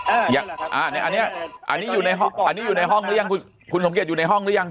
อันนี้อันนี้อยู่ในห้องอันนี้อยู่ในห้องหรือยังคุณคุณสมเกียจอยู่ในห้องหรือยัง